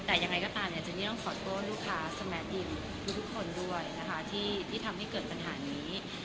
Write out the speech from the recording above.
แต่ยังไงก็ตามจันนี่ต้องขอโทษลูกค้าสมัครหญิงทุกคนรวยที่ทำให้เกิดปัญหานี้